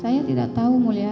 saya tidak tahu mulia